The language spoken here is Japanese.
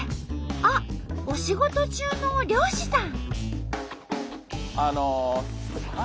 あっお仕事中の漁師さん。